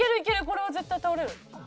これは絶対倒れる。